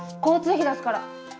交通費出すから。